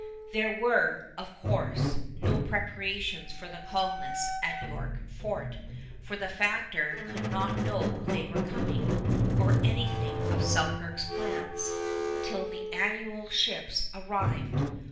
There were, of course, no preparations for the colonists at York Fort, for the factor could not know they were coming, or anything of Selkirk's plans, till the annual ships arrived.